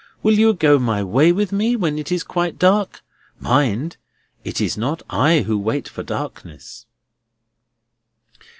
Will you go my way with me, when it is quite dark? Mind! it is not I who wait for darkness."